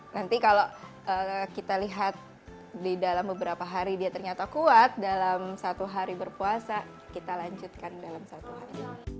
nanti kalau kita lihat di dalam beberapa hari dia ternyata kuat dalam satu hari berpuasa kita lanjutkan dalam satu hari